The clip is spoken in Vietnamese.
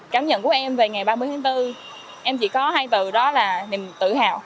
cảm nhận của em về ngày ba mươi tháng bốn em chỉ có hai từ đó là niềm tự hào